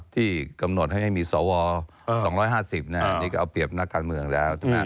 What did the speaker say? ที่กำหนดให้มีสว๒๕๐นี่ก็เอาเปรียบนักการเมืองแล้ว